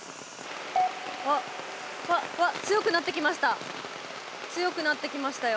あっわっわっ強くなってきましたよ。